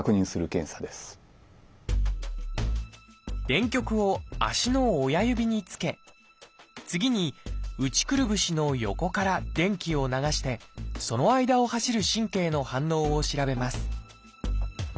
電極を足の親指につけ次に内くるぶしの横から電気を流してその間を走る神経の反応を調べます